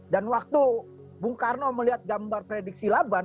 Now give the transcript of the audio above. dan waktu bung karno melihat gambar friedrich silaban